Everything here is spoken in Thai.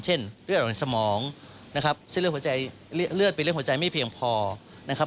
เช่นเลือดออกในสมองนะครับเลือดไปเลือดหัวใจไม่เพียงพอนะครับ